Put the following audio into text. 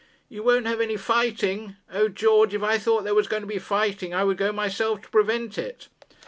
'You won't have any fighting? O, George, if I thought there was going to be fighting, I would go myself to prevent it.'